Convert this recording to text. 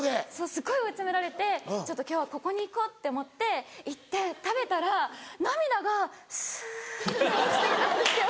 すごい追い詰められて今日はここに行こうって思って行って食べたら涙がスって落ちてきたんですよ。